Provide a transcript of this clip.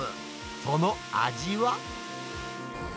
その味は。